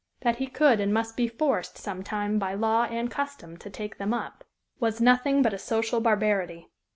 That he could and must be forced, some time, by law and custom, to take them up, was nothing but a social barbarity.